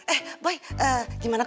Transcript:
eh boy eh gimana kalau mama mau ikut